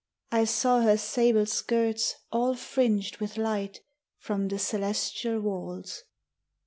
I saw her sable skirts all fringed with light From the celestial walls!